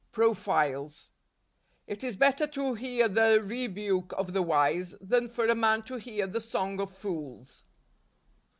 Profiles. " It is better to hear the rebuke of the icise , than for a man to hear the song of fools."